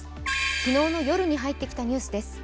昨日の夜に入ってきたニュースです。